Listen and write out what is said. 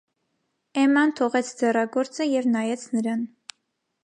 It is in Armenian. Էմման թողեց ձեռագործը և նայեց նրան: